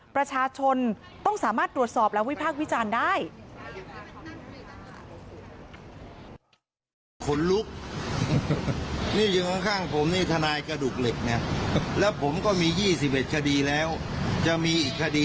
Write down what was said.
ประชาชนต้องสามารถตรวจสอบและวิพากษ์วิจารณ์ได้